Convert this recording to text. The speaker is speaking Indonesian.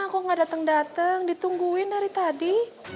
kok gak dateng dateng ditungguin dari tadi